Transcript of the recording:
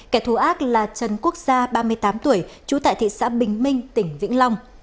kẻ thù ác là trần quốc gia ba mươi tám tuổi trú tại thị xã bình minh tỉnh vĩnh long